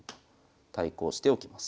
対抗しておきます。